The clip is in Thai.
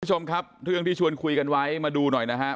คุณผู้ชมครับเรื่องที่ชวนคุยกันไว้มาดูหน่อยนะครับ